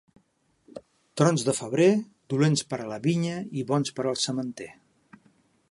Trons de febrer, dolents per a la vinya i bons per al sementer.